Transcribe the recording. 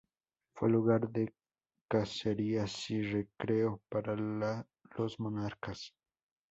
Fue lugar de cacerías y recreo para los monarcas.